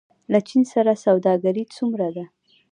له چین سره سوداګري څومره ده؟